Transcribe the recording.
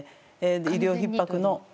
医療ひっ迫も。